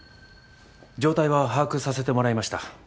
状態は把握させてもらいました。